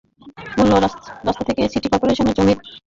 মূল রাস্তা থেকে সিটি করপোরেশনের জমির ওপর দিয়ে বিকেএমইএর জমিতে যেতে হয়।